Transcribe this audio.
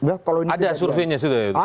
ada surveinya sudah ya